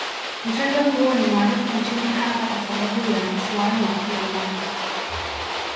Mchezo huo ni maarufu nchini hasa kwa sababu ya mchuano wa kila mwaka